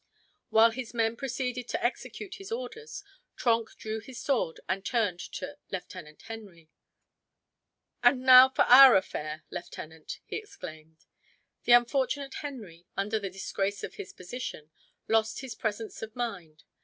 While his men proceeded to execute his orders, Trenck drew his sword and turned to Lieutenant Henry. "And now, for our affair, lieutenant!" he exclaimed. The unfortunate Henry, under the disgrace of his position, lost his presence of mind.